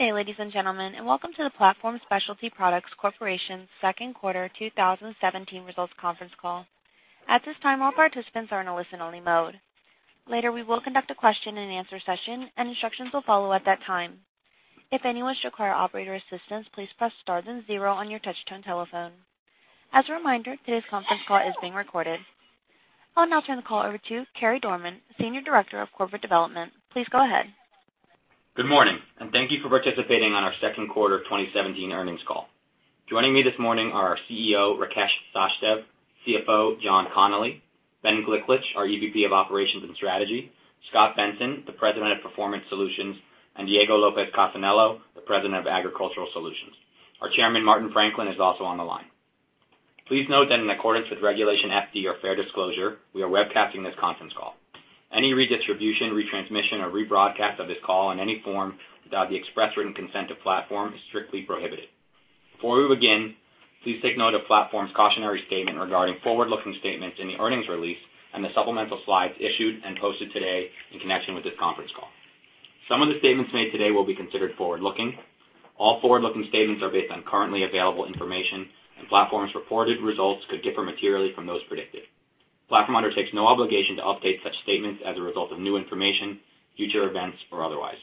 Good day, ladies and gentlemen, and welcome to the Platform Specialty Products Corporation's second quarter 2017 results conference call. At this time, all participants are in a listen-only mode. Later, we will conduct a question and answer session, and instructions will follow at that time. If anyone should require operator assistance, please press star then zero on your touch-tone telephone. As a reminder, today's conference call is being recorded. I will now turn the call over to Carey Dorman, Senior Director of Corporate Development. Please go ahead. Good morning. Thank you for participating on our second quarter 2017 earnings call. Joining me this morning are our CEO, Rakesh Sachdev, CFO, John Connolly, Ben Gliklich, our EVP of Operations and Strategy, Scot Benson, the President of Performance Solutions, and Diego Lopez Casanello, the President of Agricultural Solutions. Our Chairman, Martin Franklin, is also on the line. Please note that in accordance with Regulation FD, or fair disclosure, we are webcasting this conference call. Any redistribution, retransmission, or rebroadcast of this call in any form without the express written consent of Platform is strictly prohibited. Before we begin, please take note of Platform's cautionary statement regarding forward-looking statements in the earnings release and the supplemental slides issued and posted today in connection with this conference call. Some of the statements made today will be considered forward-looking. All forward-looking statements are based on currently available information. Platform's reported results could differ materially from those predicted. Platform undertakes no obligation to update such statements as a result of new information, future events, or otherwise.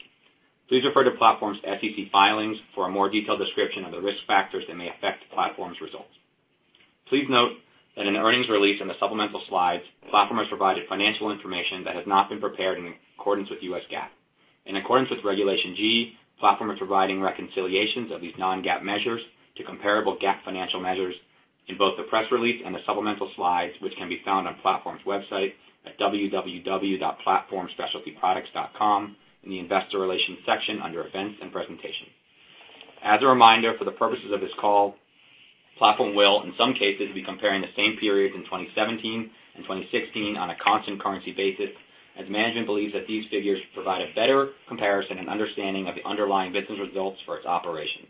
Please refer to Platform's SEC filings for a more detailed description of the risk factors that may affect Platform's results. Please note that in the earnings release in the supplemental slides, Platform has provided financial information that has not been prepared in accordance with US GAAP. In accordance with Regulation G, Platform is providing reconciliations of these non-GAAP measures to comparable GAAP financial measures in both the press release and the supplemental slides, which can be found on Platform's website at www.platformspecialtyproducts.com in the investor relations section under events and presentations. As a reminder, for the purposes of this call, Platform will, in some cases, be comparing the same periods in 2017 and 2016 on a constant currency basis, as management believes that these figures provide a better comparison and understanding of the underlying business results for its operation.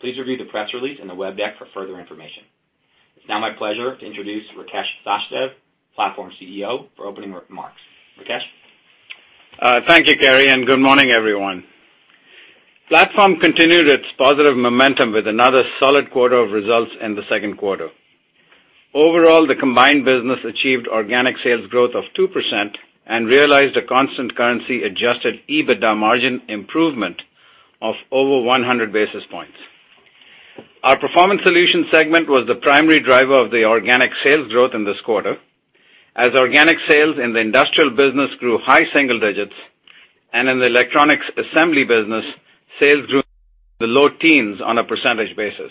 Please review the press release and the web deck for further information. It is now my pleasure to introduce Rakesh Sachdev, Platform's CEO, for opening remarks. Rakesh? Thank you, Carey, and good morning, everyone. Platform continued its positive momentum with another solid quarter of results in the second quarter. Overall, the combined business achieved organic sales growth of 2% and realized a constant currency adjusted EBITDA margin improvement of over 100 basis points. Our Performance Solutions segment was the primary driver of the organic sales growth in this quarter, as organic sales in the Industrial Solutions business grew high single digits, and in the electronics assembly business, sales grew the low teens on a percentage basis.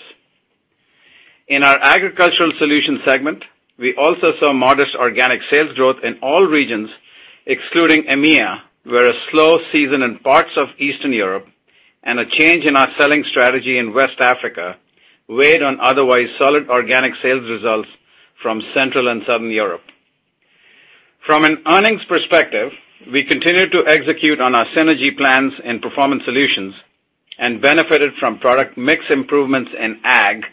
In our Agricultural Solutions segment, we also saw modest organic sales growth in all regions excluding EMEA, where a slow season in parts of Eastern Europe and a change in our selling strategy in West Africa weighed on otherwise solid organic sales results from Central and Southern Europe. From an earnings perspective, we continued to execute on our synergy plans in Performance Solutions and benefited from product mix improvements in Ag,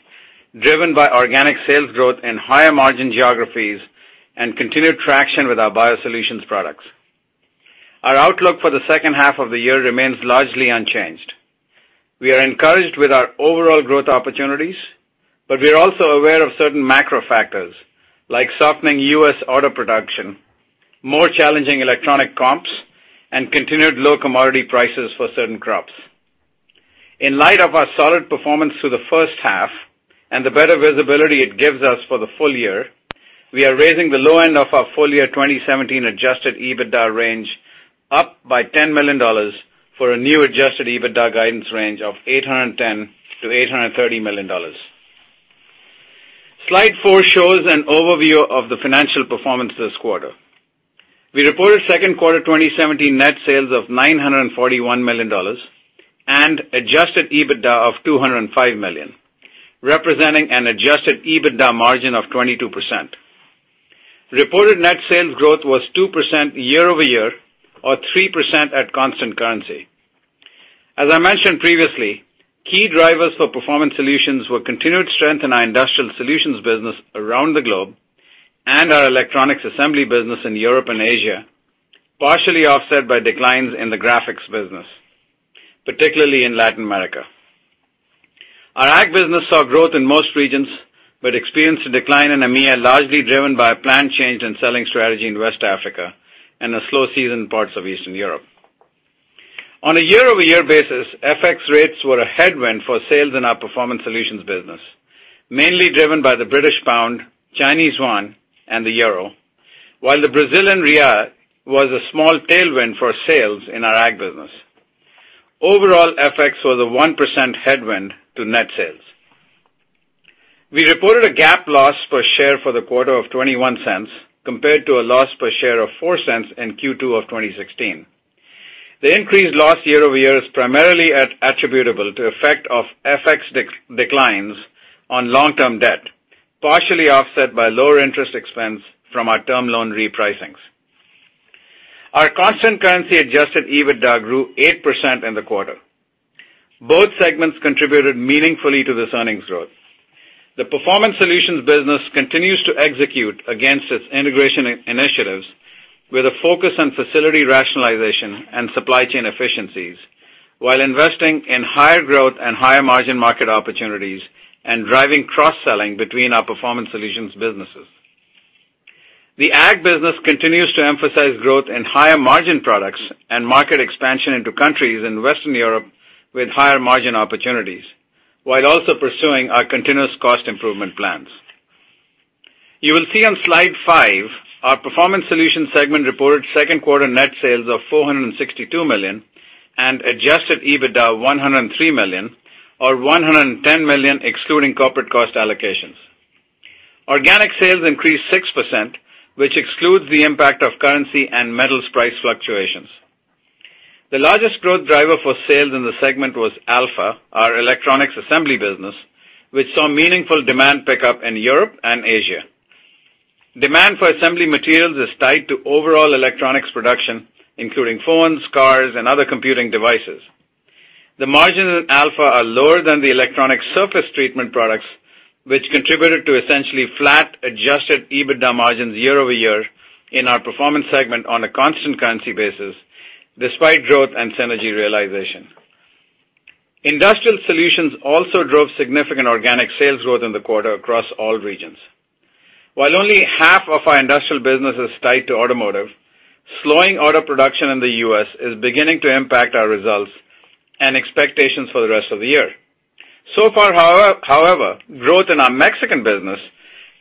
driven by organic sales growth in higher-margin geographies and continued traction with our biosolutions products. Our outlook for the second half of the year remains largely unchanged. We are encouraged with our overall growth opportunities. We are also aware of certain macro factors, like softening U.S. auto production, more challenging electronic comps, and continued low commodity prices for certain crops. In light of our solid performance through the first half and the better visibility it gives us for the full year, we are raising the low end of our full-year 2017 adjusted EBITDA range up by $10 million for a new adjusted EBITDA guidance range of $810 million-$830 million. Slide four shows an overview of the financial performance this quarter. We reported second quarter 2017 net sales of $941 million and adjusted EBITDA of $205 million, representing an adjusted EBITDA margin of 22%. Reported net sales growth was 2% year-over-year or 3% at constant currency. As I mentioned previously, key drivers for Performance Solutions were continued strength in our Industrial Solutions business around the globe and our electronics assembly business in Europe and Asia, partially offset by declines in the graphics business, particularly in Latin America. Our Ag business saw growth in most regions, experienced a decline in EMEA, largely driven by a planned change in selling strategy in West Africa and a slow season in parts of Eastern Europe. On a year-over-year basis, FX rates were a headwind for sales in our Performance Solutions business, mainly driven by the British pound, Chinese yuan, and the euro, while the Brazilian real was a small tailwind for sales in our Ag business. Overall, FX was a 1% headwind to net sales. We reported a GAAP loss per share for the quarter of $0.21 compared to a loss per share of $0.04 in Q2 of 2016. The increased loss year-over-year is primarily attributable to effect of FX declines on long-term debt, partially offset by lower interest expense from our term loan repricings. Our constant currency adjusted EBITDA grew 8% in the quarter. Both segments contributed meaningfully to this earnings growth. The Performance Solutions business continues to execute against its integration initiatives with a focus on facility rationalization and supply chain efficiencies, while investing in higher growth and higher margin market opportunities and driving cross-selling between our Performance Solutions businesses. The Ag business continues to emphasize growth in higher margin products and market expansion into countries in Western Europe with higher margin opportunities, while also pursuing our continuous cost improvement plans. You will see on slide five, our Performance Solutions segment reported second quarter net sales of $462 million and adjusted EBITDA of $103 million, or $110 million excluding corporate cost allocations. Organic sales increased 6%, which excludes the impact of currency and metals price fluctuations. The largest growth driver for sales in the segment was Alpha, our electronics assembly business, which saw meaningful demand pickup in Europe and Asia. Demand for assembly materials is tied to overall electronics production, including phones, cars, and other computing devices. The margins at Alpha are lower than the electronic surface treatment products, which contributed to essentially flat adjusted EBITDA margins year-over-year in our Performance segment on a constant currency basis, despite growth and synergy realization. Industrial Solutions also drove significant organic sales growth in the quarter across all regions. Only half of our industrial business is tied to automotive, slowing auto production in the U.S. is beginning to impact our results and expectations for the rest of the year. Far, however, growth in our Mexican business,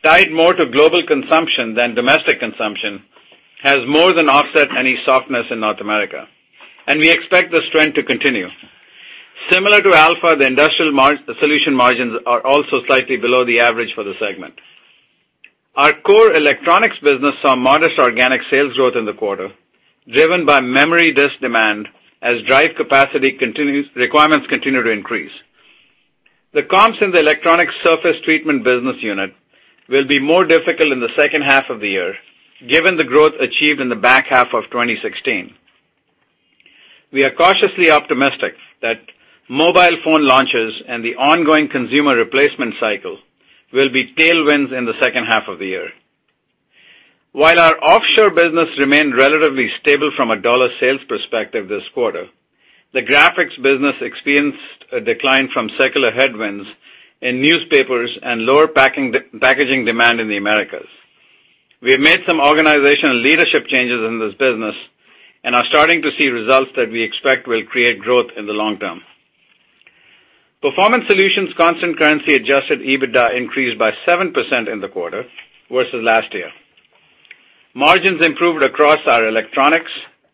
tied more to global consumption than domestic consumption, has more than offset any softness in North America, and we expect this trend to continue. Similar to Alpha, the Industrial Solutions margins are also slightly below the average for the segment. Our core electronics business saw modest organic sales growth in the quarter, driven by memory disk demand as drive capacity requirements continue to increase. The comps in the electronic surface treatment business unit will be more difficult in the second half of the year, given the growth achieved in the back half of 2016. We are cautiously optimistic that mobile phone launches and the ongoing consumer replacement cycle will be tailwinds in the second half of the year. Our offshore business remained relatively stable from a dollar sales perspective this quarter, the graphics business experienced a decline from secular headwinds in newspapers and lower packaging demand in the Americas. We have made some organizational leadership changes in this business and are starting to see results that we expect will create growth in the long term. Performance Solutions constant currency adjusted EBITDA increased by 7% in the quarter versus last year. Margins improved across our electronics,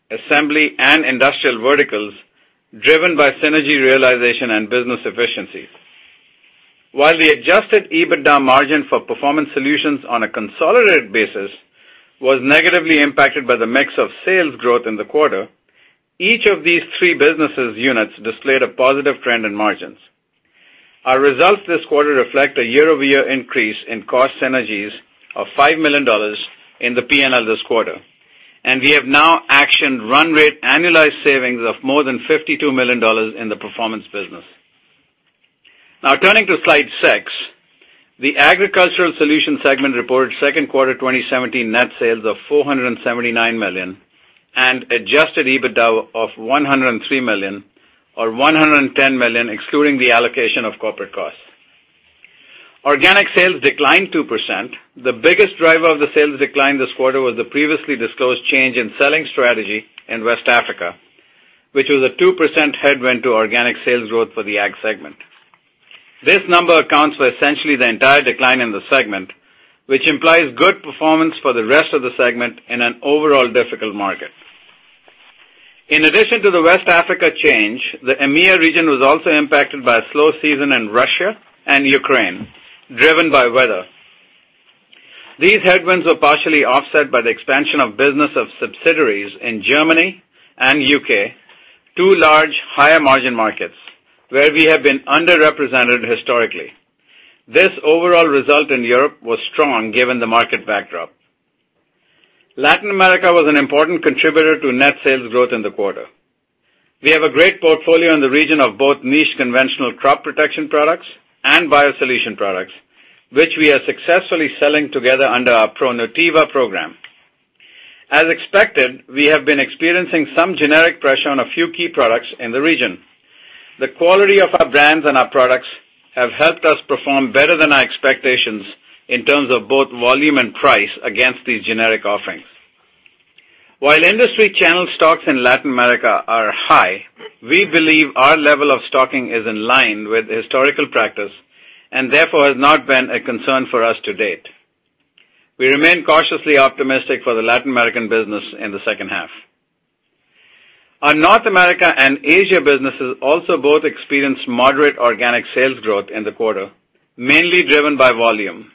assembly, and Industrial verticals, driven by synergy realization and business efficiencies. The adjusted EBITDA margin for Performance Solutions on a consolidated basis was negatively impacted by the mix of sales growth in the quarter, each of these three businesses units displayed a positive trend in margins. Our results this quarter reflect a year-over-year increase in cost synergies of $5 million in the P&L this quarter, and we have now actioned run rate annualized savings of more than $52 million in the Performance business. Turning to slide six, the Agricultural Solutions segment reported second quarter 2017 net sales of $479 million and adjusted EBITDA of $103 million, or $110 million excluding the allocation of corporate costs. Organic sales declined 2%. The biggest driver of the sales decline this quarter was the previously disclosed change in selling strategy in West Africa, which was a 2% headwind to organic sales growth for the Ag segment. This number accounts for essentially the entire decline in the segment, which implies good performance for the rest of the segment in an overall difficult market. In addition to the West Africa change, the EMEA region was also impacted by a slow season in Russia and Ukraine, driven by weather. These headwinds were partially offset by the expansion of business of subsidiaries in Germany and U.K., two large higher-margin markets where we have been underrepresented historically. This overall result in Europe was strong given the market backdrop. Latin America was an important contributor to net sales growth in the quarter. We have a great portfolio in the region of both niche conventional crop protection products and biosolution products, which we are successfully selling together under our ProNutiva program. As expected, we have been experiencing some generic pressure on a few key products in the region. The quality of our brands and our products have helped us perform better than our expectations in terms of both volume and price against these generic offerings. While industry channel stocks in Latin America are high, we believe our level of stocking is in line with historical practice and therefore has not been a concern for us to date. We remain cautiously optimistic for the Latin American business in the second half. Our North America and Asia businesses also both experienced moderate organic sales growth in the quarter, mainly driven by volume.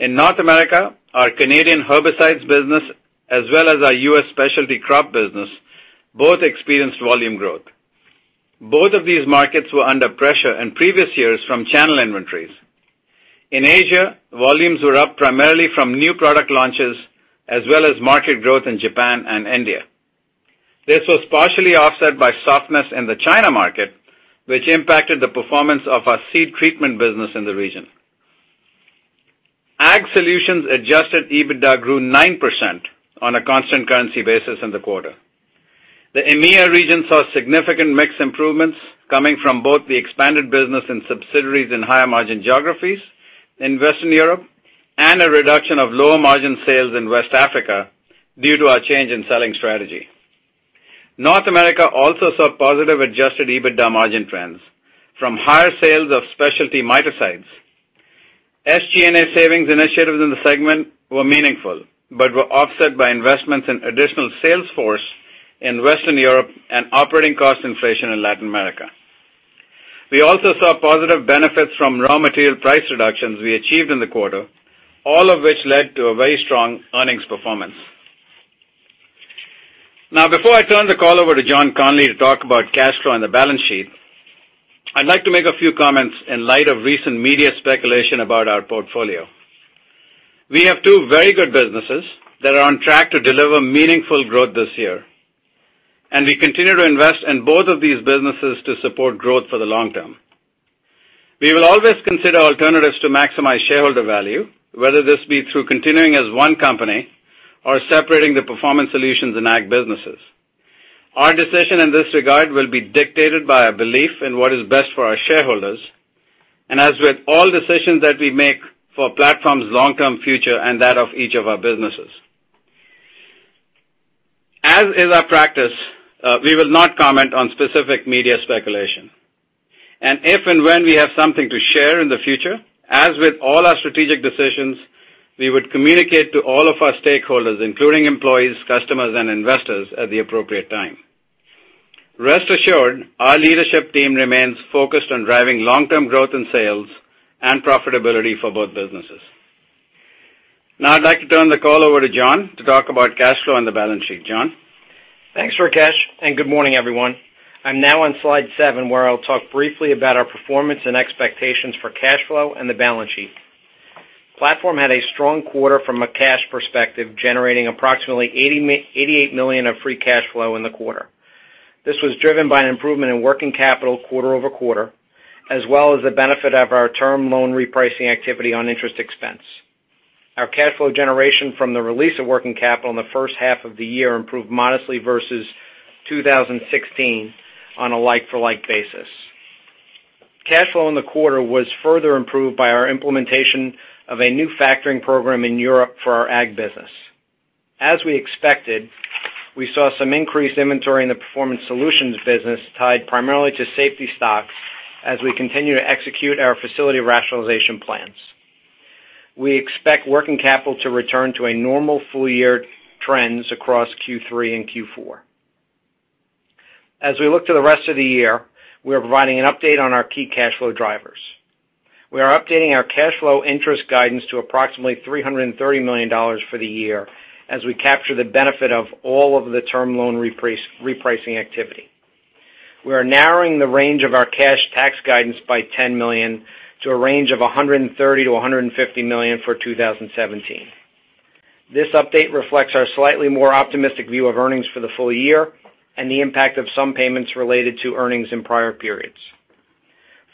In North America, our Canadian herbicides business, as well as our U.S. specialty crop business, both experienced volume growth. Both of these markets were under pressure in previous years from channel inventories. In Asia, volumes were up primarily from new product launches as well as market growth in Japan and India. This was partially offset by softness in the China market, which impacted the performance of our seed treatment business in the region. Ag Solutions adjusted EBITDA grew 9% on a constant currency basis in the quarter. The EMEA region saw significant mix improvements coming from both the expanded business and subsidiaries in higher margin geographies in Western Europe, and a reduction of lower margin sales in West Africa due to our change in selling strategy. North America also saw positive adjusted EBITDA margin trends from higher sales of specialty miticides. SG&A savings initiatives in the segment were meaningful, but were offset by investments in additional sales force in Western Europe and operating cost inflation in Latin America. We also saw positive benefits from raw material price reductions we achieved in the quarter, all of which led to a very strong earnings performance. Now, before I turn the call over to John Connolly to talk about cash flow and the balance sheet, I'd like to make a few comments in light of recent media speculation about our portfolio. We have two very good businesses that are on track to deliver meaningful growth this year, and we continue to invest in both of these businesses to support growth for the long term. We will always consider alternatives to maximize shareholder value, whether this be through continuing as one company or separating the Performance Solutions and Ag businesses. Our decision in this regard will be dictated by a belief in what is best for our shareholders, and as with all decisions that we make for Platform's long-term future and that of each of our businesses. As is our practice, we will not comment on specific media speculation. If and when we have something to share in the future, as with all our strategic decisions, we would communicate to all of our stakeholders, including employees, customers, and investors at the appropriate time. Rest assured, our leadership team remains focused on driving long-term growth in sales and profitability for both businesses. Now I'd like to turn the call over to John to talk about cash flow and the balance sheet. John? Thanks, Rakesh, and good morning, everyone. I'm now on slide seven, where I'll talk briefly about our performance and expectations for cash flow and the balance sheet. Platform had a strong quarter from a cash perspective, generating approximately $88 million of free cash flow in the quarter. This was driven by an improvement in working capital quarter-over-quarter, as well as the benefit of our term loan repricing activity on interest expense. Our cash flow generation from the release of working capital in the first half of the year improved modestly versus 2016 on a like-for-like basis. Cash flow in the quarter was further improved by our implementation of a new factoring program in Europe for our Ag business. As we expected, we saw some increased inventory in the Performance Solutions business tied primarily to safety stocks as we continue to execute our facility rationalization plans. We expect working capital to return to a normal full-year trends across Q3 and Q4. As we look to the rest of the year, we are providing an update on our key cash flow drivers. We are updating our cash flow interest guidance to approximately $330 million for the year as we capture the benefit of all of the term loan repricing activity. We are narrowing the range of our cash tax guidance by $10 million to a range of $130 million-$150 million for 2017. This update reflects our slightly more optimistic view of earnings for the full year and the impact of some payments related to earnings in prior periods.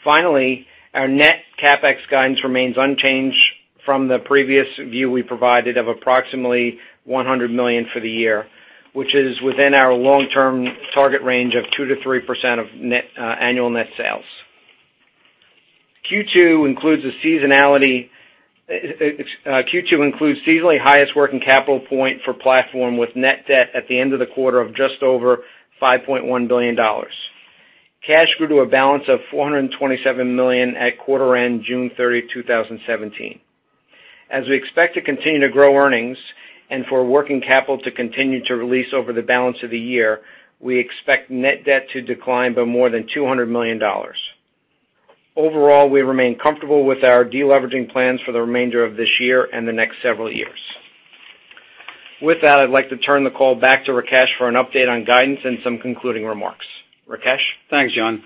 Finally, our net CapEx guidance remains unchanged from the previous view we provided of approximately $100 million for the year, which is within our long-term target range of 2%-3% of annual net sales. Q2 includes seasonally highest working capital point for Platform with net debt at the end of the quarter of just over $5.1 billion. Cash grew to a balance of $427 million at quarter end June 30, 2017. As we expect to continue to grow earnings and for working capital to continue to release over the balance of the year, we expect net debt to decline by more than $200 million. Overall, we remain comfortable with our de-leveraging plans for the remainder of this year and the next several years. With that, I'd like to turn the call back to Rakesh for an update on guidance and some concluding remarks. Rakesh? Thanks, John.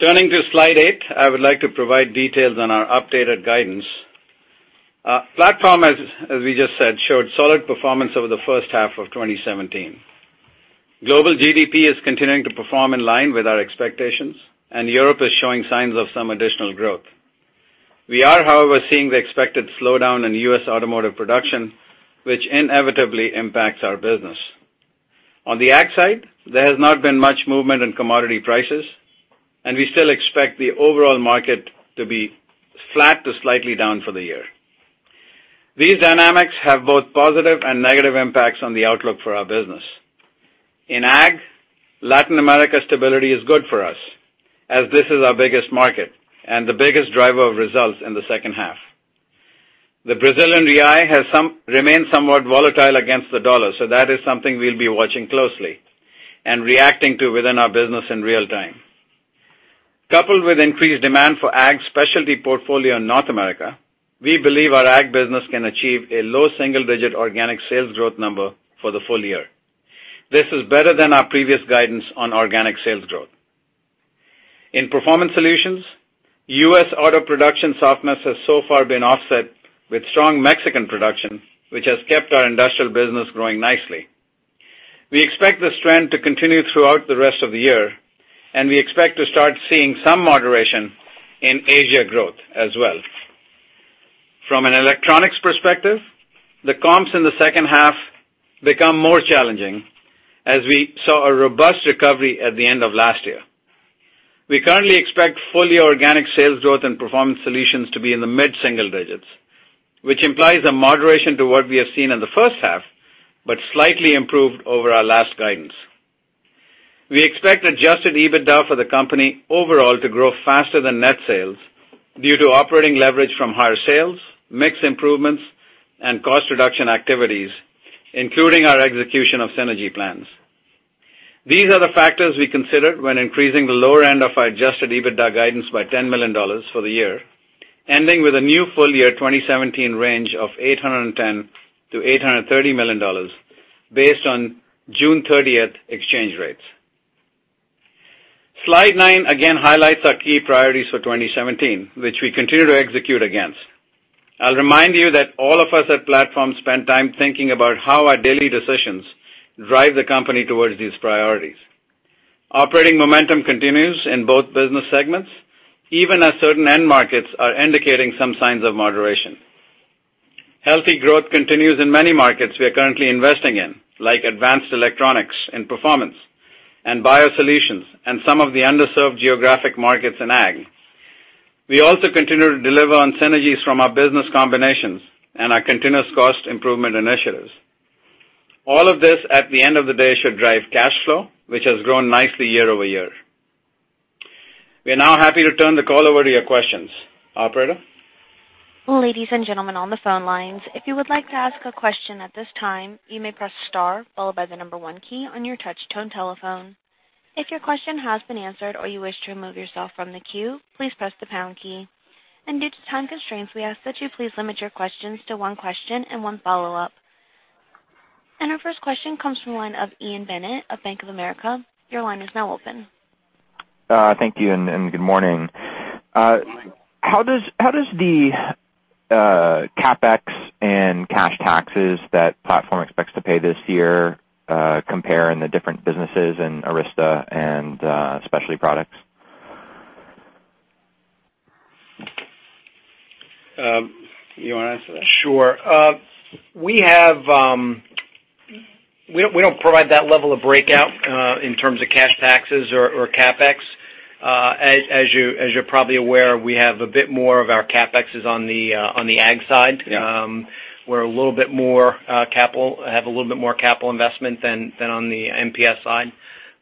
Turning to slide eight, I would like to provide details on our updated guidance. Platform, as we just said, showed solid performance over the first half of 2017. Global GDP is continuing to perform in line with our expectations, and Europe is showing signs of some additional growth. We are, however, seeing the expected slowdown in U.S. automotive production, which inevitably impacts our business. On the Ag side, there has not been much movement in commodity prices, and we still expect the overall market to be flat to slightly down for the year. These dynamics have both positive and negative impacts on the outlook for our business. In Ag, Latin America stability is good for us as this is our biggest market and the biggest driver of results in the second half. The Brazilian real has remained somewhat volatile against the dollar, that is something we'll be watching closely and reacting to within our business in real time. Coupled with increased demand for Ag specialty portfolio in North America, we believe our Ag business can achieve a low single-digit organic sales growth number for the full year. This is better than our previous guidance on organic sales growth. In Performance Solutions, U.S. auto production softness has so far been offset with strong Mexican production, which has kept our industrial business growing nicely. We expect this trend to continue throughout the rest of the year, and we expect to start seeing some moderation in Asia growth as well. From an electronics perspective, the comps in the second half become more challenging as we saw a robust recovery at the end of last year. We currently expect full-year organic sales growth and Performance Solutions to be in the mid-single digits, which implies a moderation to what we have seen in the first half, but slightly improved over our last guidance. We expect adjusted EBITDA for the company overall to grow faster than net sales due to operating leverage from higher sales, mix improvements, and cost reduction activities, including our execution of synergy plans. These are the factors we considered when increasing the lower end of our adjusted EBITDA guidance by $10 million for the year, ending with a new full-year 2017 range of $810 million to $830 million based on June 30th exchange rates. Slide nine again highlights our key priorities for 2017, which we continue to execute against. I'll remind you that all of us at Platform spend time thinking about how our daily decisions drive the company towards these priorities. Operating momentum continues in both business segments, even as certain end markets are indicating some signs of moderation. Healthy growth continues in many markets we are currently investing in, like advanced electronics and Performance and biosolutions, and some of the underserved geographic markets in Ag. We also continue to deliver on synergies from our business combinations and our continuous cost improvement initiatives. All of this, at the end of the day, should drive cash flow, which has grown nicely year-over-year. We are now happy to turn the call over to your questions. Operator? Ladies and gentlemen on the phone lines, if you would like to ask a question at this time, you may press star followed by the one key on your touch tone telephone. If your question has been answered or you wish to remove yourself from the queue, please press the pound key. Due to time constraints, we ask that you please limit your questions to one question and one follow-up. Our first question comes from the line of Ian Bennett of Bank of America. Your line is now open. Thank you. Good morning. How does the CapEx and cash taxes that Platform expects to pay this year compare in the different businesses in Arysta and Specialty Products? You want to answer that? Sure. We don't provide that level of breakout in terms of cash taxes or CapEx. As you're probably aware, we have a bit more of our CapEx is on the ag side. Yeah. We have a little bit more capital investment than on the MPS side,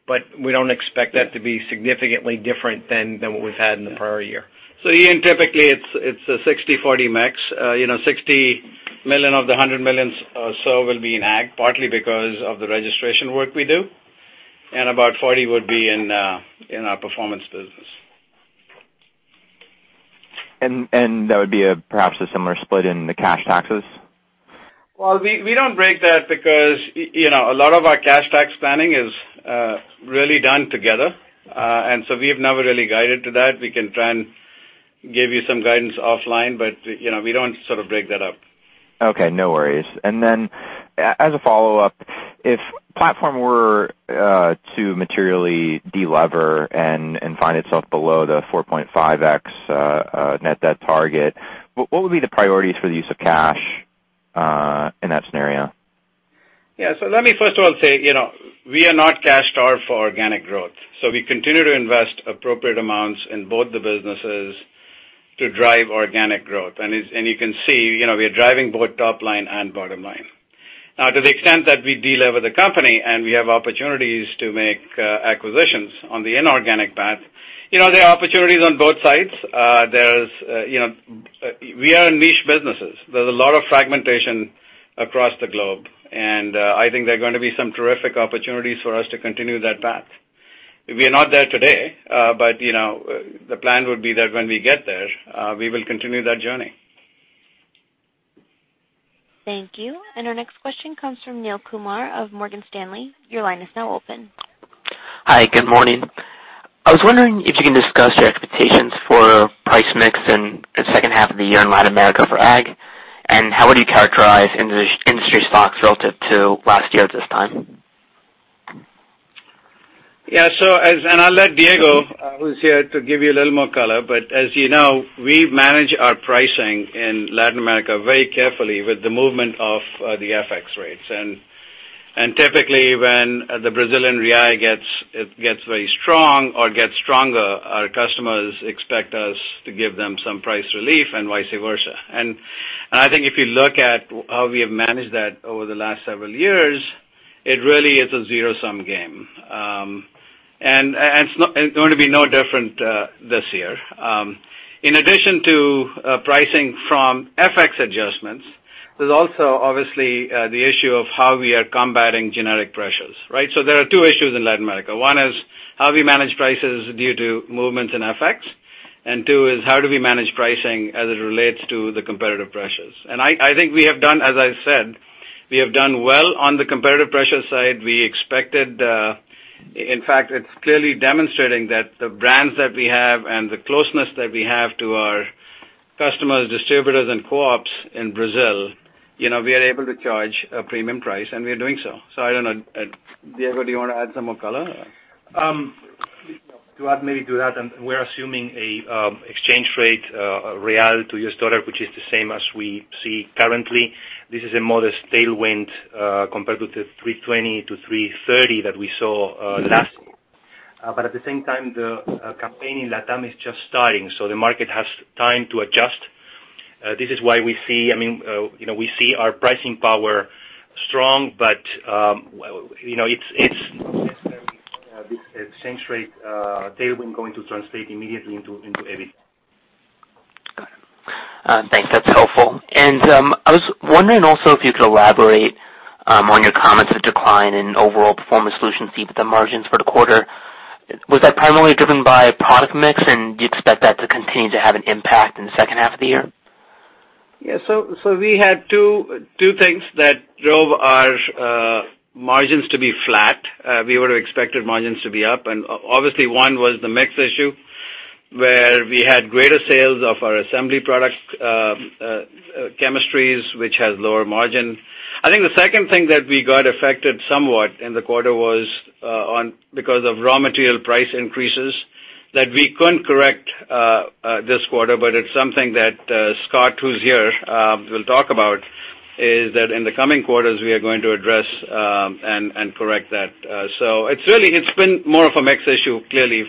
but we don't expect that to be significantly different than what we've had in the prior year. Ian, typically it's a 60/40 mix. $60 million of the $100 million or so will be in ag, partly because of the registration work we do, about $40 would be in our Performance Solutions business. That would be perhaps a similar split in the cash taxes? Well, we don't break that because a lot of our cash tax planning is really done together, we have never really guided to that. We can try and give you some guidance offline, but we don't sort of break that up. Okay, no worries. As a follow-up, if Platform were to materially delever and find itself below the 4.5x net debt target, what would be the priorities for the use of cash in that scenario? Yeah. Let me first of all say, we are not cashed out for organic growth. We continue to invest appropriate amounts in both the businesses to drive organic growth. You can see, we are driving both top line and bottom line. To the extent that we delever the company and we have opportunities to make acquisitions on the inorganic path, there are opportunities on both sides. We are in niche businesses. There is a lot of fragmentation across the globe, and I think there are going to be some terrific opportunities for us to continue that path. We are not there today, but the plan would be that when we get there, we will continue that journey. Thank you. Our next question comes from Neel Kumar of Morgan Stanley. Your line is now open. Hi. Good morning. I was wondering if you can discuss your expectations for price mix in the second half of the year in Latin America for ag, how would you characterize industry stocks relative to last year at this time? Yeah. I'll let Diego, who's here, give you a little more color. As you know, we manage our pricing in Latin America very carefully with the movement of the FX rates. Typically, when the Brazilian real gets very strong or gets stronger, our customers expect us to give them some price relief, and vice versa. I think if you look at how we have managed that over the last several years, it really is a zero-sum game. It's going to be no different this year. In addition to pricing from FX adjustments, there's also obviously the issue of how we are combating generic pressures, right? There are two issues in Latin America. One is how we manage prices due to movements in FX, and two is how do we manage pricing as it relates to the competitive pressures. I think we have done, as I said We have done well on the competitive pressure side. In fact, it's clearly demonstrating that the brands that we have and the closeness that we have to our customers, distributors, and co-ops in Brazil, we are able to charge a premium price, and we are doing so. I don't know, Diego, do you want to add some more color? To add maybe to that, we're assuming an exchange rate real to U.S. dollar, which is the same as we see currently. This is a modest tailwind compared to the 320 to 330 that we saw last. At the same time, the campaign in LATAM is just starting, so the market has time to adjust. This is why we see our pricing power strong, but it's not necessarily this exchange rate tailwind going to translate immediately into EBIT. Got it. Thanks. That's helpful. I was wondering also if you could elaborate on your comments of decline in overall Performance Solutions' margins for the quarter. Was that primarily driven by product mix, and do you expect that to continue to have an impact in the second half of the year? We had two things that drove our margins to be flat. We would've expected margins to be up. Obviously one was the mix issue, where we had greater sales of our assembly product chemistries, which has lower margin. I think the second thing that we got affected somewhat in the quarter was because of raw material price increases that we couldn't correct this quarter, but it's something that Scot, who's here, will talk about. In the coming quarters, we are going to address and correct that. Really, it's been more of a mix issue, clearly,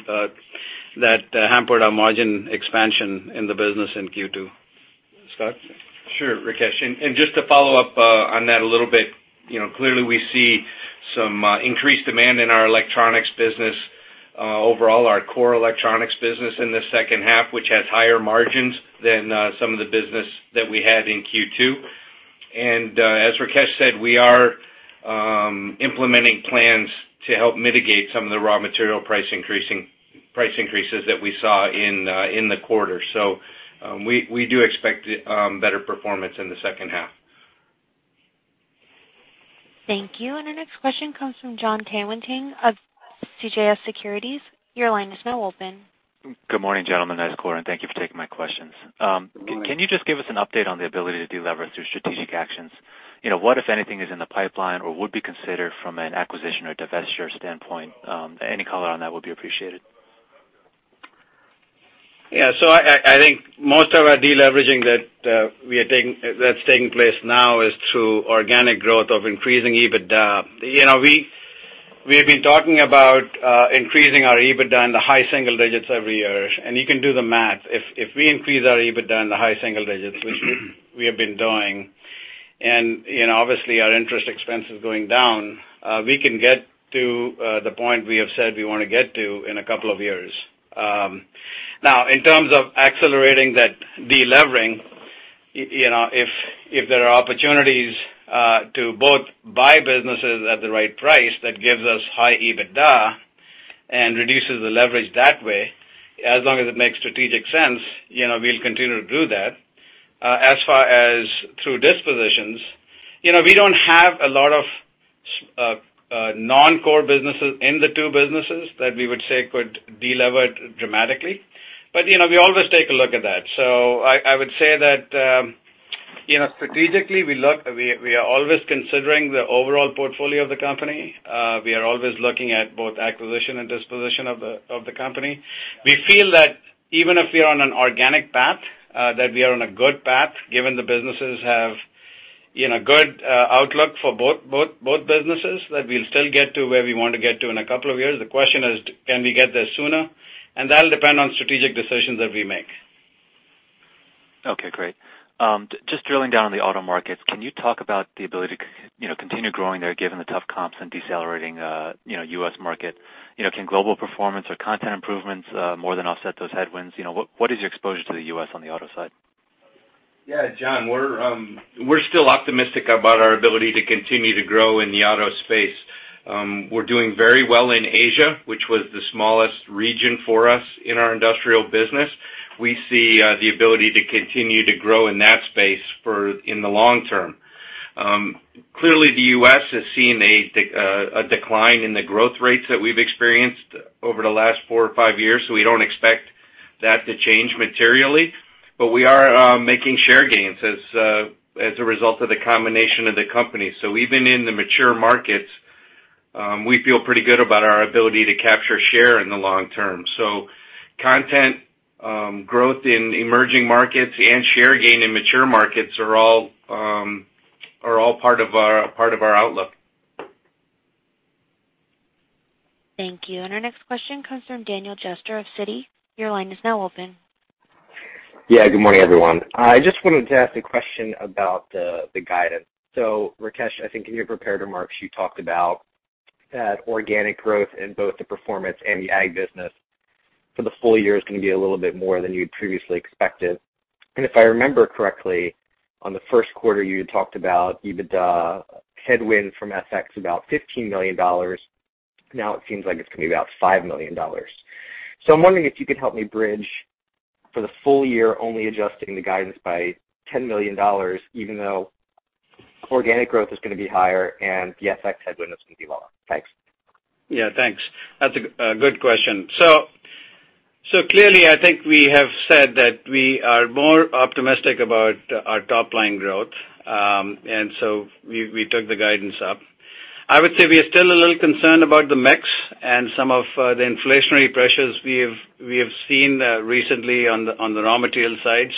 that hampered our margin expansion in the business in Q2. Scot? Sure, Rakesh. Just to follow up on that a little bit. Clearly, we see some increased demand in our electronics business. Overall, our core electronics business in the second half, which has higher margins than some of the business that we had in Q2. As Rakesh said, we are implementing plans to help mitigate some of the raw material price increases that we saw in the quarter. We do expect better performance in the second half. Thank you. Our next question comes from John Tanwanteng of CJS Securities. Your line is now open. Good morning, gentlemen. Thanks for calling. Thank you for taking my questions. Good morning. Can you just give us an update on the ability to delever through strategic actions? What, if anything, is in the pipeline or would be considered from an acquisition or divestiture standpoint? Any color on that would be appreciated. I think most of our deleveraging that's taking place now is through organic growth of increasing EBITDA. We have been talking about increasing our EBITDA in the high single digits every year, and you can do the math. If we increase our EBITDA in the high single digits, which we have been doing, and obviously our interest expense is going down, we can get to the point we have said we want to get to in a couple of years. In terms of accelerating that delevering, if there are opportunities to both buy businesses at the right price, that gives us high EBITDA and reduces the leverage that way, as long as it makes strategic sense, we'll continue to do that. As far as through dispositions, we don't have a lot of non-core businesses in the two businesses that we would say could delever dramatically. We always take a look at that. I would say that strategically, we are always considering the overall portfolio of the company. We are always looking at both acquisition and disposition of the company. We feel that even if we are on an organic path, that we are on a good path, given the businesses have good outlook for both businesses, that we'll still get to where we want to get to in a couple of years. The question is, can we get there sooner? That'll depend on strategic decisions that we make. Great. Just drilling down on the auto markets, can you talk about the ability to continue growing there, given the tough comps and decelerating U.S. market? Can global performance or content improvements more than offset those headwinds? What is your exposure to the U.S. on the auto side? John, we're still optimistic about our ability to continue to grow in the auto space. We're doing very well in Asia, which was the smallest region for us in our industrial business. We see the ability to continue to grow in that space in the long term. Clearly, the U.S. has seen a decline in the growth rates that we've experienced over the last four or five years, we don't expect that to change materially. We are making share gains as a result of the combination of the company. Even in the mature markets, we feel pretty good about our ability to capture share in the long term. Content growth in emerging markets and share gain in mature markets are all part of our outlook. Thank you. Our next question comes from Daniel Jester of Citi. Your line is now open. Yeah. Good morning, everyone. I just wanted to ask a question about the guidance. Rakesh, I think in your prepared remarks, you talked about that organic growth in both the performance and the ag business for the full year is going to be a little bit more than you'd previously expected. If I remember correctly, on the first quarter, you had talked about EBITDA headwind from FX about $15 million. Now it seems like it's going to be about $5 million. I'm wondering if you could help me bridge for the full year, only adjusting the guidance by $10 million, even though organic growth is going to be higher and the FX headwinds can be lower. Thanks. Yeah, thanks. That's a good question. Clearly, I think we have said that we are more optimistic about our top-line growth, and so we took the guidance up. I would say we are still a little concerned about the mix and some of the inflationary pressures we have seen recently on the raw material side.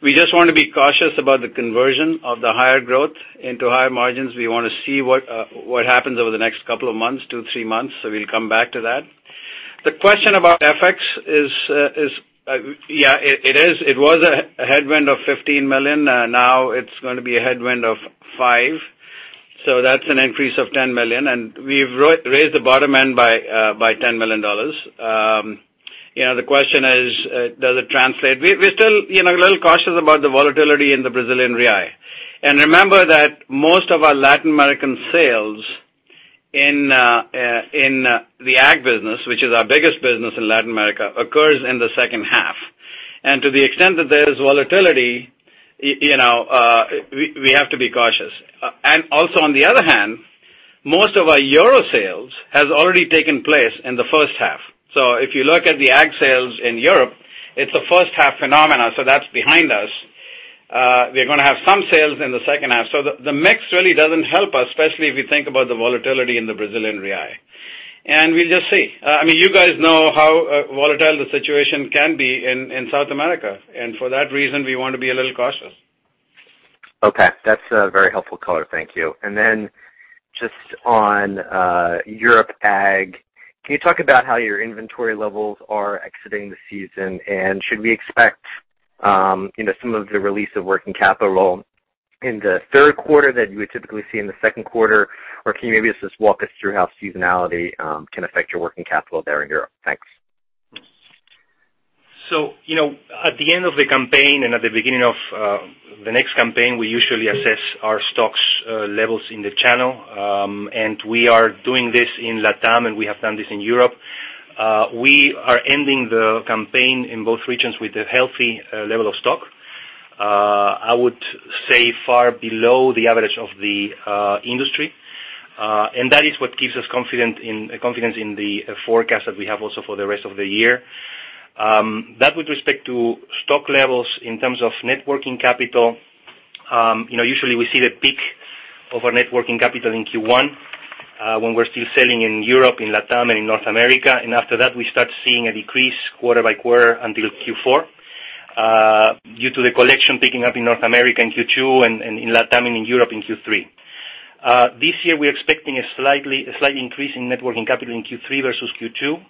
We just want to be cautious about the conversion of the higher growth into higher margins. We want to see what happens over the next couple of months, two, three months. We'll come back to that. The question about FX is, it was a headwind of $15 million. Now it's going to be a headwind of $5 million. That's an increase of $10 million, and we've raised the bottom end by $10 million. The question is, does it translate? We're still a little cautious about the volatility in the Brazilian real. Remember that most of our Latin American sales in the ag business, which is our biggest business in Latin America, occurs in the second half. To the extent that there is volatility, we have to be cautious. Also on the other hand, most of our euro sales has already taken place in the first half. If you look at the ag sales in Europe, it's a first-half phenomenon, so that's behind us. We're going to have some sales in the second half. The mix really doesn't help us, especially if you think about the volatility in the Brazilian real. We'll just see. You guys know how volatile the situation can be in South America, and for that reason, we want to be a little cautious. Okay. That's a very helpful color. Thank you. Then just on Europe ag, can you talk about how your inventory levels are exiting the season? Should we expect some of the release of working capital in the third quarter that you would typically see in the second quarter? Can you maybe just walk us through how seasonality can affect your working capital there in Europe? Thanks. At the end of the campaign and at the beginning of the next campaign, we usually assess our stocks levels in the channel. We are doing this in LATAM, and we have done this in Europe. We are ending the campaign in both regions with a healthy level of stock. I would say far below the average of the industry. That is what gives us confidence in the forecast that we have also for the rest of the year. That with respect to stock levels in terms of net working capital. Usually we see the peak of our net working capital in Q1, when we're still selling in Europe, in LATAM, and in North America. After that, we start seeing a decrease quarter by quarter until Q4, due to the collection picking up in North America in Q2 and in LATAM and in Europe in Q3. This year, we're expecting a slight increase in net working capital in Q3 versus Q2.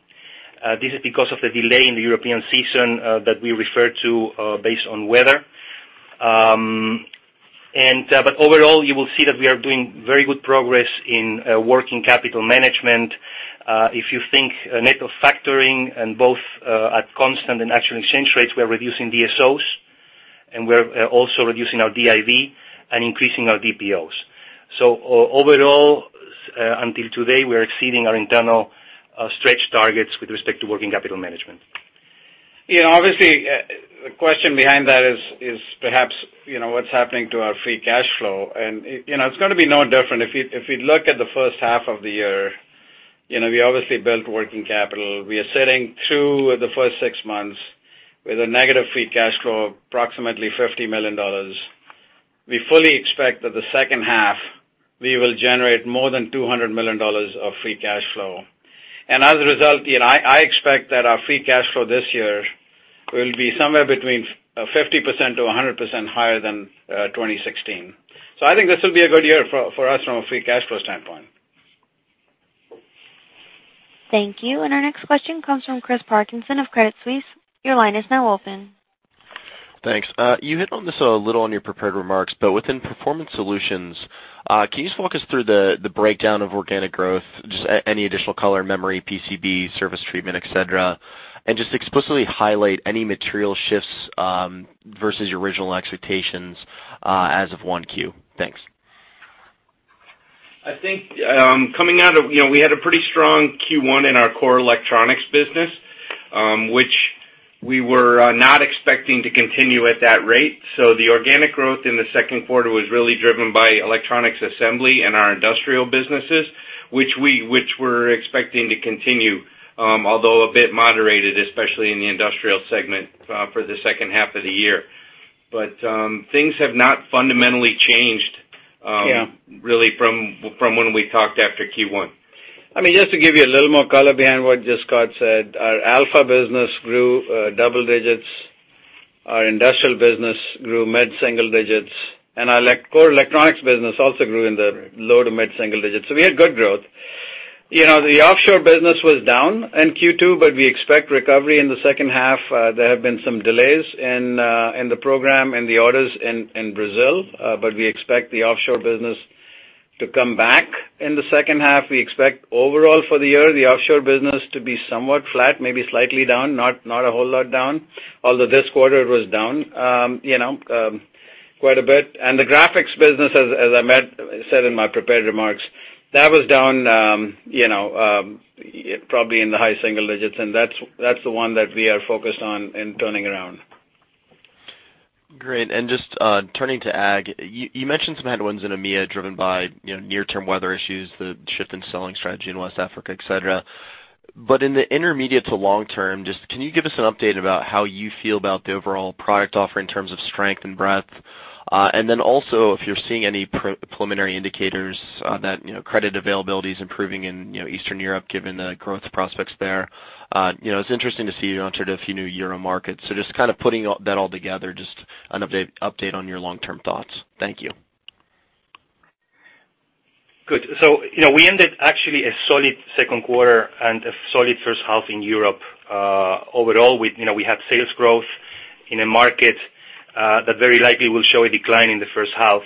This is because of the delay in the European season that we referred to based on weather. Overall, you will see that we are doing very good progress in working capital management. If you think net of factoring and both at constant and actual exchange rates, we are reducing DSOs, and we're also reducing our DIH and increasing our DPOs. Overall, until today, we are exceeding our internal stretch targets with respect to working capital management. Obviously, the question behind that is perhaps, what's happening to our free cash flow. It's going to be no different. If we look at the first half of the year, we obviously built working capital. We are sitting through the first six months with a negative free cash flow of approximately $50 million. We fully expect that the second half, we will generate more than $200 million of free cash flow. As a result, I expect that our free cash flow this year will be somewhere between 50%-100% higher than 2016. I think this will be a good year for us from a free cash flow standpoint. Thank you. Our next question comes from Chris Parkinson of Credit Suisse. Your line is now open. Thanks. You hit on this a little on your prepared remarks, within Performance Solutions, can you just walk us through the breakdown of organic growth, just any additional color, memory, PCB, surface treatment, et cetera, and just explicitly highlight any material shifts versus your original expectations as of 1Q? Thanks. I think, we had a pretty strong Q1 in our core electronics business, which we were not expecting to continue at that rate. The organic growth in the second quarter was really driven by electronics assembly and our industrial businesses, which we're expecting to continue, although a bit moderated, especially in the industrial segment for the second half of the year. Things have not fundamentally changed. Yeah really from when we talked after Q1. Just to give you a little more color behind what Scot said, our Alpha business grew double digits, our Industrial business grew mid-single digits, and our core electronics business also grew in the low to mid-single digits. We had good growth. The offshore business was down in Q2, but we expect recovery in the second half. There have been some delays in the program and the orders in Brazil, but we expect the offshore business to come back in the second half. We expect overall for the year, the offshore business to be somewhat flat, maybe slightly down, not a whole lot down. Although this quarter it was down quite a bit. The graphics business, as I said in my prepared remarks, that was down probably in the high single digits, and that's the one that we are focused on in turning around. Great. Just turning to Ag, you mentioned some headwinds in EMEA driven by near-term weather issues, the shift in selling strategy in West Africa, et cetera. In the intermediate to long term, just can you give us an update about how you feel about the overall product offer in terms of strength and breadth? And then also if you're seeing any preliminary indicators that credit availability is improving in Eastern Europe, given the growth prospects there. It's interesting to see you entered a few new EUR markets. Just putting that all together, just an update on your long-term thoughts. Thank you. Good. We ended actually a solid second quarter and a solid first half in Europe. Overall, we had sales growth in a market that very likely will show a decline in the first half.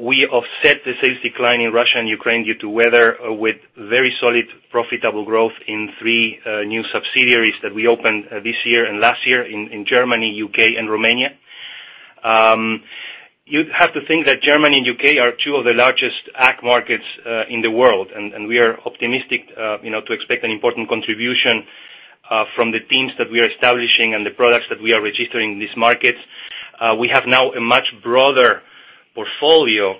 We offset the sales decline in Russia and Ukraine due to weather with very solid, profitable growth in three new subsidiaries that we opened this year and last year in Germany, U.K., and Romania. You'd have to think that Germany and U.K. are two of the largest Ag markets in the world, and we are optimistic to expect an important contribution from the teams that we are establishing and the products that we are registering in these markets. We have now a much broader portfolio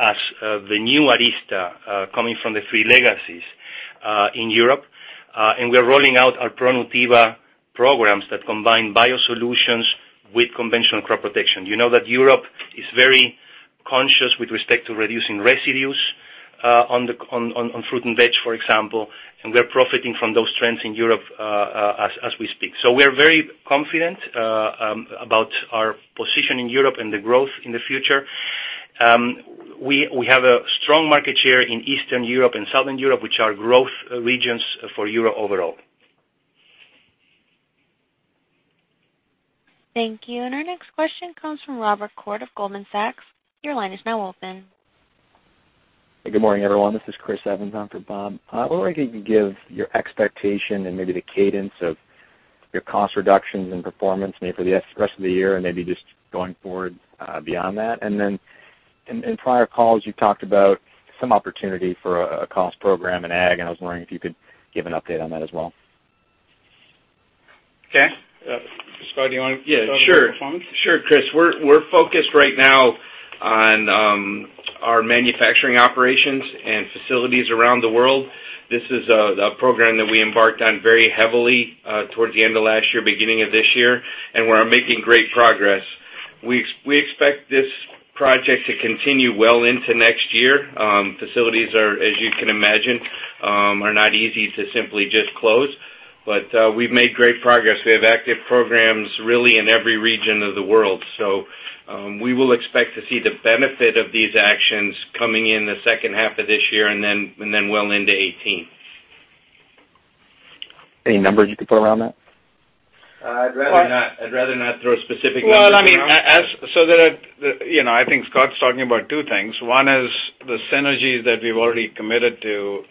as the new Arysta coming from the three legacies in Europe. We're rolling out our ProNutiva programs that combine biosolutions with conventional crop protection. You know that Europe is very conscious with respect to reducing residues on fruit and veg, for example, we are profiting from those trends in Europe as we speak. We are very confident about our position in Europe and the growth in the future. We have a strong market share in Eastern Europe and Southern Europe, which are growth regions for Europe overall. Thank you. Our next question comes from Robert Koort of Goldman Sachs. Your line is now open. Good morning, everyone. This is Chris Evans on for Bob. I was wondering if you could give your expectation and maybe the cadence of your cost reductions and performance maybe for the rest of the year and maybe just going forward beyond that. In prior calls, you talked about some opportunity for a cost program in Ag, and I was wondering if you could give an update on that as well. Scot, do you want? Yeah, sure. Take that one? Sure, Chris. We're focused right now on our manufacturing operations and facilities around the world. This is a program that we embarked on very heavily towards the end of last year, beginning of this year. We're making great progress. We expect this project to continue well into next year. Facilities are, as you can imagine, are not easy to simply just close. We've made great progress. We have active programs really in every region of the world. We will expect to see the benefit of these actions coming in the second half of this year and then well into 2018. Any numbers you could put around that? I'd rather not throw specific numbers around. Well, I mean, I think Scot's talking about two things. One is the synergies that we've already committed to.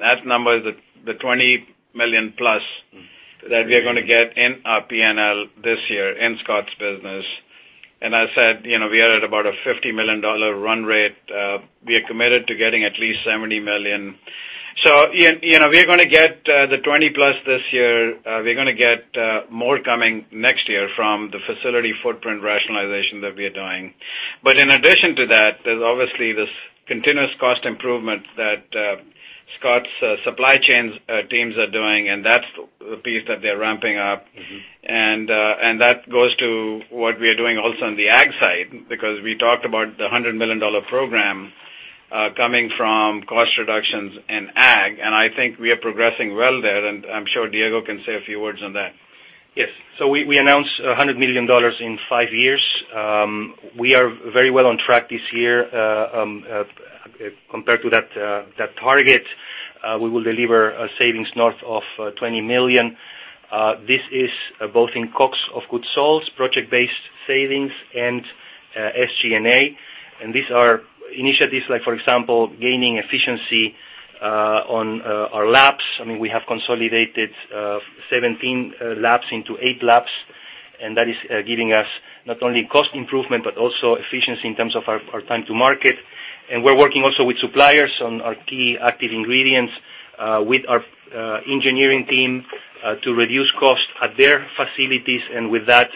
That number is the $20 million-plus that we are going to get in our P&L this year in Scot's business. I said we are at about a $50 million run rate. We are committed to getting at least $70 million. We're going to get the $20-plus this year. We're going to get more coming next year from the facility footprint rationalization that we are doing. In addition to that, there's obviously this continuous cost improvement that Scot's supply chains teams are doing, and that's the piece that they're ramping up. That goes to what we are doing also on the Ag side, because we talked about the $100 million program coming from cost reductions in Ag, and I think we are progressing well there, and I'm sure Diego can say a few words on that. Yes. We announced $100 million in five years. We are very well on track this year compared to that target. We will deliver a savings north of $20 million. This is both in COGS, of goods sold, project-based savings, and SG&A. These are initiatives like, for example, gaining efficiency on our labs. I mean, we have consolidated 17 labs into eight labs, and that is giving us not only cost improvement, but also efficiency in terms of our time to market. We're working also with suppliers on our key active ingredients with our engineering team to reduce cost at their facilities and with that,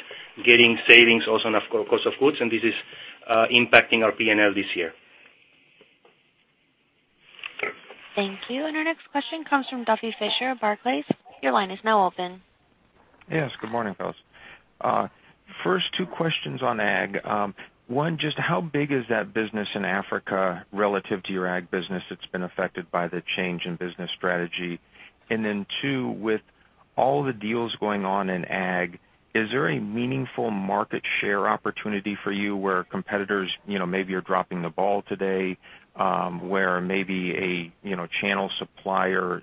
getting savings also on cost of goods, and this is impacting our P&L this year. Okay. Thank you. Our next question comes from Duffy Fischer, Barclays. Your line is now open. Yes, good morning, fellas. First two questions on ag. One, just how big is that business in Africa relative to your ag business that's been affected by the change in business strategy? Two, with all the deals going on in ag, is there a meaningful market share opportunity for you where competitors maybe are dropping the ball today? Where maybe a channel supplier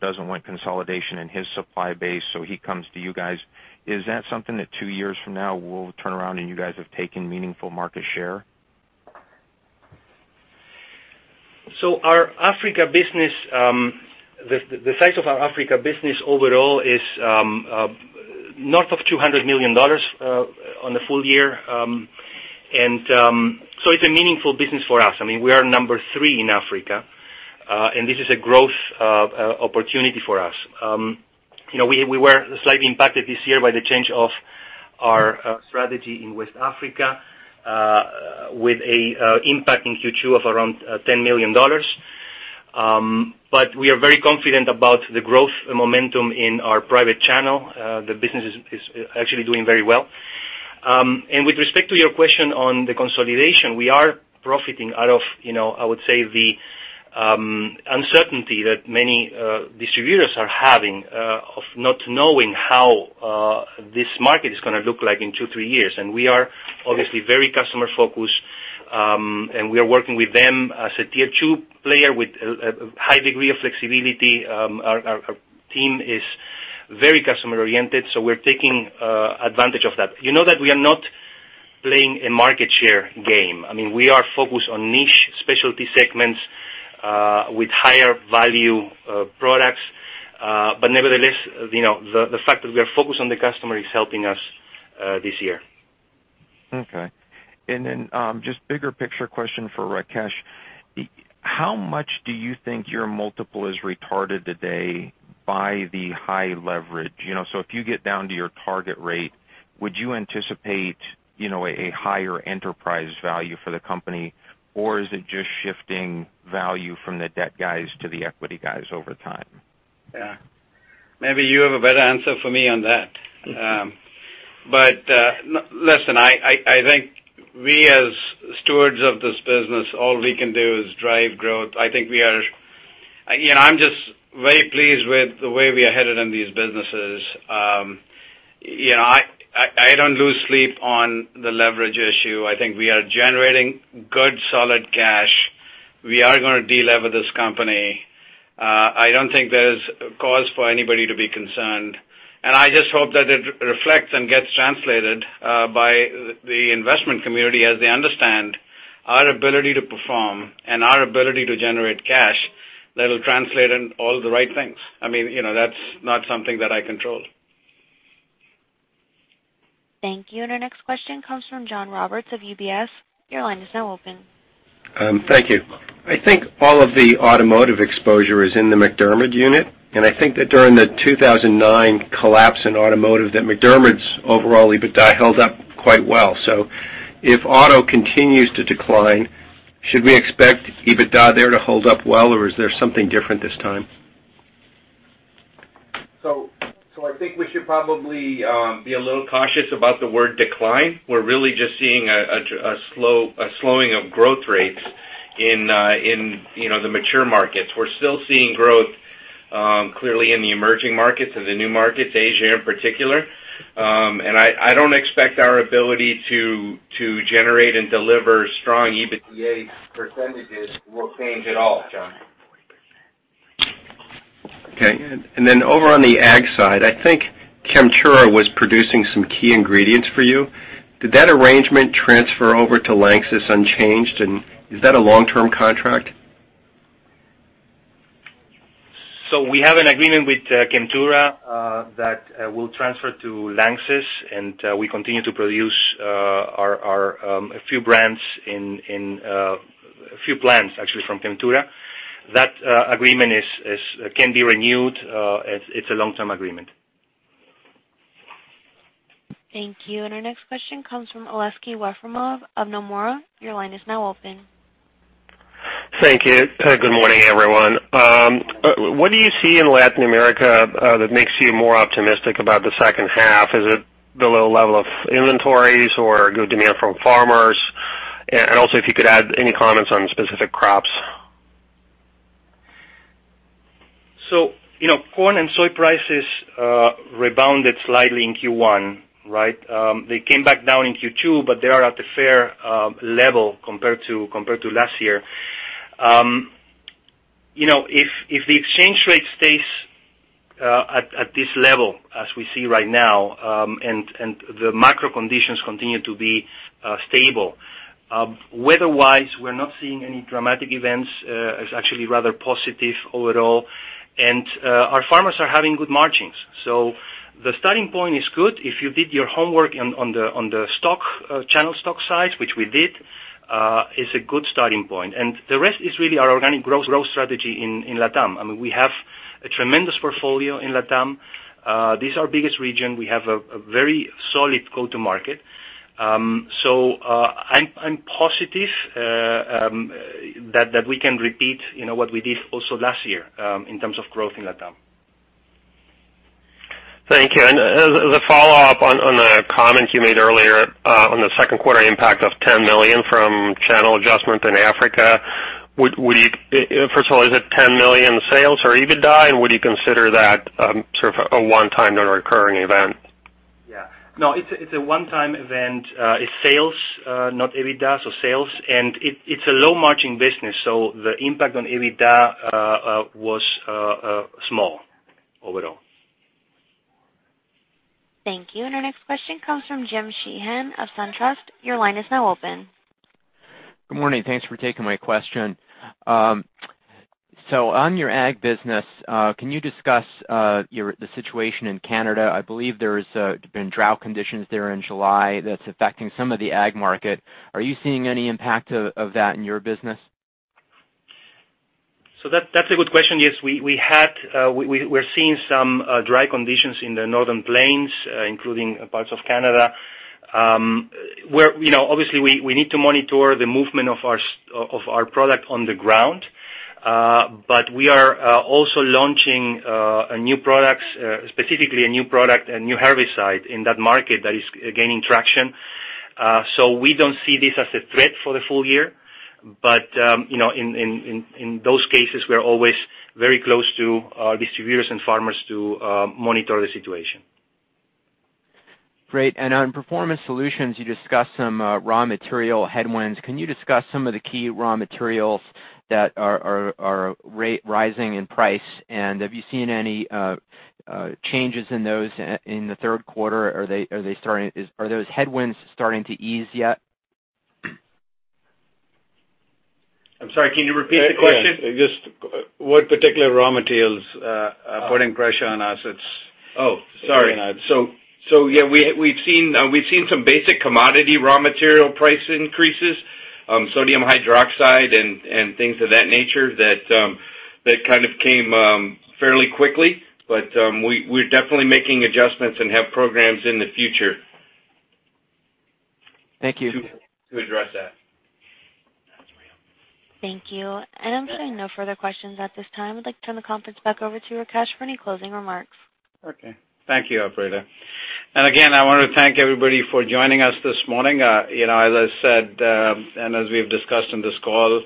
doesn't want consolidation in his supply base, so he comes to you guys. Is that something that two years from now will turn around and you guys have taken meaningful market share? The size of our Africa business overall is north of $200 million on the full year. It's a meaningful business for us. We are number 3 in Africa, and this is a growth opportunity for us. We were slightly impacted this year by the change of our strategy in West Africa, with an impact in Q2 of around $10 million. We are very confident about the growth momentum in our private channel. The business is actually doing very well. With respect to your question on the consolidation, we are profiting out of, I would say, the uncertainty that many distributors are having of not knowing how this market is going to look like in two, three years. We are obviously very customer-focused, and we are working with them as a tier 2 player with a high degree of flexibility. Our team is very customer-oriented. We're taking advantage of that. You know that we are not playing a market share game. We are focused on niche specialty segments, with higher value products. Nevertheless, the fact that we are focused on the customer is helping us this year. Okay. Just bigger picture question for Rakesh. How much do you think your multiple is retarded today by the high leverage? If you get down to your target rate, would you anticipate a higher enterprise value for the company? Is it just shifting value from the debt guys to the equity guys over time? Yeah. Maybe you have a better answer for me on that. Listen, I think we as stewards of this business, all we can do is drive growth. I'm just very pleased with the way we are headed in these businesses. I don't lose sleep on the leverage issue. I think we are generating good, solid cash. We are going to de-lever this company. I don't think there's cause for anybody to be concerned, I just hope that it reflects and gets translated by the investment community as they understand our ability to perform and our ability to generate cash that'll translate in all the right things. That's not something that I control. Thank you. Our next question comes from John Roberts of UBS. Your line is now open. Thank you. I think all of the automotive exposure is in the MacDermid unit, I think that during the 2009 collapse in automotive, MacDermid's overall EBITDA held up quite well. If auto continues to decline, should we expect EBITDA there to hold up well, or is there something different this time? I think we should probably be a little cautious about the word decline. We're really just seeing a slowing of growth rates in the mature markets. We're still seeing growth, clearly in the emerging markets and the new markets, Asia in particular. I don't expect our ability to generate and deliver strong EBITDA percentages will change at all, John. Okay. Then over on the ag side, I think Chemtura was producing some key ingredients for you. Did that arrangement transfer over to Lanxess unchanged, and is that a long-term contract? We have an agreement with Chemtura, that will transfer to Lanxess, and we continue to produce a few plants actually from Chemtura. That agreement can be renewed. It's a long-term agreement. Thank you. Our next question comes from Aleksey Yefremov of Nomura. Your line is now open. Thank you. Good morning, everyone. What do you see in Latin America that makes you more optimistic about the second half? Is it the low level of inventories or good demand from farmers? Also, if you could add any comments on specific crops. Corn and soy prices rebounded slightly in Q1, right? They came back down in Q2, but they are at a fair level compared to last year. If the exchange rate stays at this level as we see right now, and the macro conditions continue to be stable, weather-wise, we're not seeing any dramatic events. It's actually rather positive overall. Our farmers are having good margins. The starting point is good. If you did your homework on the channel stock size, which we did, it's a good starting point. The rest is really our organic growth strategy in LATAM. We have a tremendous portfolio in LATAM. This is our biggest region. We have a very solid go-to market. I'm positive that we can repeat what we did also last year, in terms of growth in LATAM. Thank you. As a follow-up on a comment you made earlier, on the second quarter impact of $10 million from channel adjustment in Africa, first of all, is it $10 million sales or EBITDA, and would you consider that sort of a one-time non-recurring event? No, it's a one-time event. It's sales, not EBITDA. Sales. It's a low margin business, the impact on EBITDA was small overall. Thank you. Our next question comes from James Sheehan of SunTrust. Your line is now open. Good morning. Thanks for taking my question. On your Agricultural Solutions business, can you discuss the situation in Canada? I believe there has been drought conditions there in July that is affecting some of the Agricultural Solutions market. Are you seeing any impact of that in your business? That is a good question. Yes, we are seeing some dry conditions in the northern plains, including parts of Canada, where obviously we need to monitor the movement of our product on the ground. We are also launching new products, specifically a new product, a new herbicide in that market that is gaining traction. We do not see this as a threat for the full year. In those cases, we are always very close to our distributors and farmers to monitor the situation. Great. On Performance Solutions, you discussed some raw material headwinds. Can you discuss some of the key raw materials that are rising in price? Have you seen any changes in those in the third quarter? Are those headwinds starting to ease yet? I am sorry, can you repeat the question? Yes. What particular raw materials are putting pressure on assets? Oh, sorry. Yeah, we've seen some basic commodity raw material price increases, sodium hydroxide and things of that nature that kind of came fairly quickly. We're definitely making adjustments and have programs in the future. Thank you To address that. Thank you. I'm showing no further questions at this time. I'd like to turn the conference back over to Rakesh for any closing remarks. Okay. Thank you, operator. Again, I want to thank everybody for joining us this morning. As I said, as we've discussed on this call,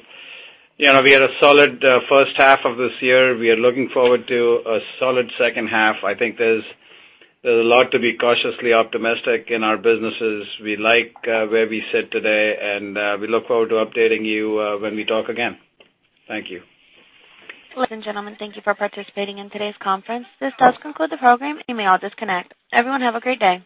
we had a solid first half of this year. We are looking forward to a solid second half. I think there's a lot to be cautiously optimistic in our businesses. We like where we sit today, and we look forward to updating you when we talk again. Thank you. Ladies and gentlemen, thank you for participating in today's conference. This does conclude the program. You may all disconnect. Everyone, have a great day.